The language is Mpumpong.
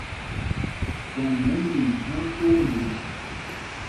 Phwam ɛ́ ɛ́ min thaŋ twóó mbil.